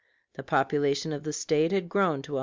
The population of the State had grown to 157,447.